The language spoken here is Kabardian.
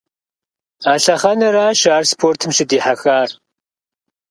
А лъэхъэнэращ ар спортым щыдихьэхар.